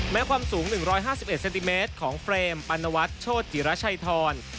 ความสูง๑๕๑เซนติเมตรของเฟรมปรณวัฒน์โชธจิรชัยธร